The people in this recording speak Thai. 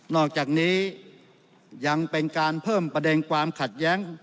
อกจากนี้ยังเป็นการเพิ่มประเด็นความขัดแย้ง